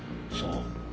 そう？